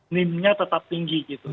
meme nya tetap tinggi gitu